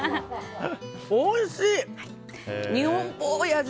おいしい！